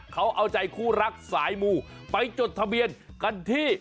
เขาเอาใจคู่รักสายมูไปจดทะเบียนกันที่